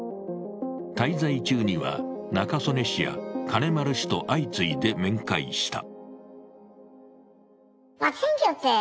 滞在中には、中曽根氏や金丸氏と相次いで面会した。